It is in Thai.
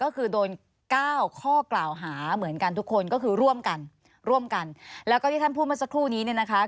ก็คือโดนเก้าข้อกล่าวหาเหมือนกันทุกคนก็คือร่วมกันร่วมกันแล้วก็ที่ท่านพูดเมื่อสักครู่นี้เนี่ยนะคะ